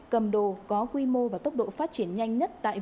cầm đồ có quy mô và tốc độ phát triển nhanh